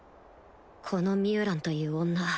このミュウランという女